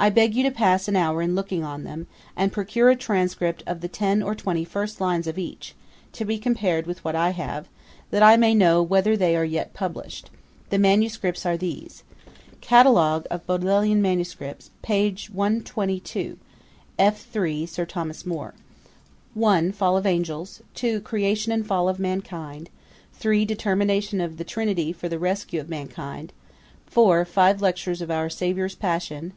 I beg you to pass an hour in looking on them, and procure a transcript of the ten or twenty first lines of each, to be compared with what I have; that I may know whether they are yet published. The manuscripts are these: 'Catalogue of Bodl. MS. pag. 122. F. 3. Sir Thomas More. '1. Fall of angels. 2. Creation and fall of mankind. 3. Determination of the Trinity for the rescue of mankind. 4. Five lectures of our Saviour's passion.